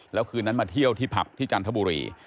แล้วคืนนั้นมาเที่ยวที่ผับที่จันทบุรี